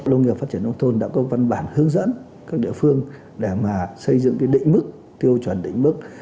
lông nghiệp phát triển nông thôn đã có văn bản hướng dẫn các địa phương để xây dựng đỉnh mức tiêu chuẩn đỉnh mức